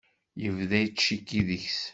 Yebda yettcikki deg-s.